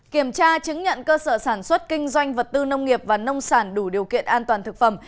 kiểm tra chứng nhận cơ sở sản xuất kinh doanh vật tư nông nghiệp và nông sản đủ điều kiện an toàn thực phẩm